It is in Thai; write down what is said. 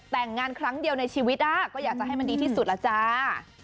แต่งงานครั้งเดียวในชีวิตก็อยากจะให้มันดีที่สุดล่ะจ้า